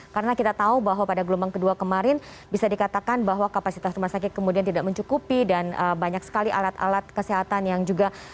karena kita tahu bahwa pada gelombang kedua kemarin bisa dikatakan bahwa kapasitas rumah sakit kemudian tidak mencukupi dan banyak sekali alat alat kesehatan yang juga